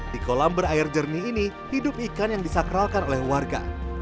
di kolam berair jernih ini hidup ikan yang disakralkan oleh warga